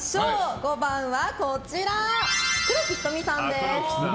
５番は黒木瞳さんです。